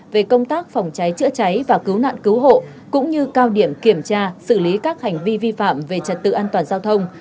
về công tác phòng cháy chữa cháy và cứu nạn cứu hộ cũng như cao điểm kiểm tra xử lý các hành vi vi phạm về trật tự an toàn giao thông